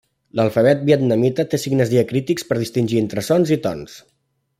L'alfabet vietnamita té signes diacrítics per distingir entre sons i tons.